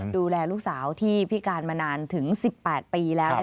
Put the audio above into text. ดูแลลูกสาวที่พิการมานานถึง๑๘ปีแล้ว